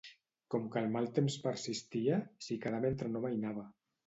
Com que el mal temps persistia, s'hi quedà mentre no amainava.